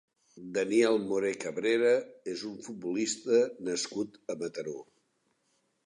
Daniel Morer Cabrera és un futbolista nascut a Mataró.